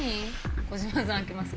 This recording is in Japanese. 小島さん開けますか？